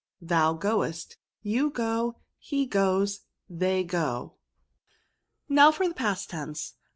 Thou goest. You go. He goes. They go. S36 VERBS. Now for the past tense.